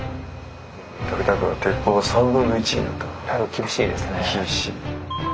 厳しいですね。